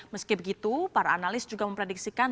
meski begitu para analis juga memprediksikan